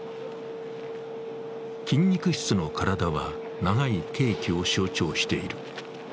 筋肉質の体は長い刑期を象徴している。